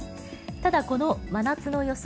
ただ、この真夏の予想